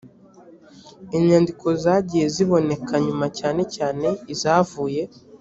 inyandiko zagiye ziboneka nyuma cyane cyane izavuye